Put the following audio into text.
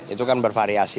itu kan bervariasi